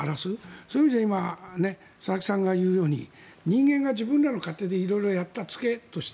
そういう意味じゃ今、佐々木さんが言うように人間が自分らの勝手で色々やっていた付けとして。